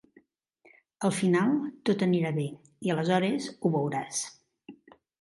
Al final tot anirà bé, i aleshores ho veuràs.